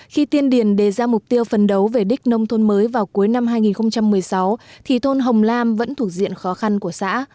khi tiên điển đề ra mục tiêu phần đấu về đích nông thôn mới vào cuối năm hai nghìn một mươi sáu thì thôn hồng lam vẫn thuộc diện khó khăn của xã